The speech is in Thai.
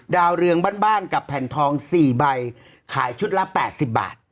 ดาวเรืองบะนบ้านกับแผ่นทองสี่ใบขายชุดละแปดสิบบาท